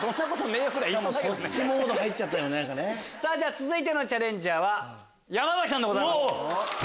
続いてのチャレンジャーは山崎さんでございます。